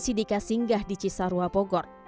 di sidika singgah di cisarua pogor